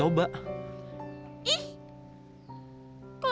kalo gak sayang kan gak mesti dipaksa tau